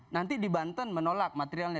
nanti di banten menolak materialnya